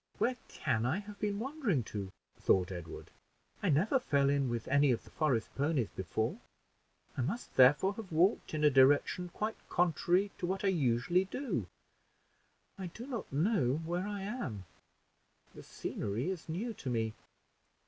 "Where can I have been wandering to?" thought Edward; "I never fell in with any of the forest ponies before; I must, therefore, have walked in a direction quite contrary to what I usually do. I do not know where I am the scenery is new to me.